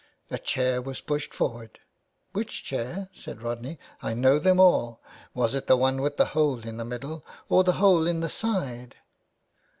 A chair was pushed forward —"" Which chair," said Rodney. " I know them all. Was it the one with the hole in the middle, or was the hole in the side